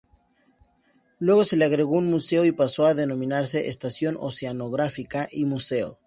Luego se le agregó un Museo y pasó a denominarse "Estación Oceanográfica y Museo".